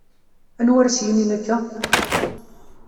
Anwa ara s-yinin akka?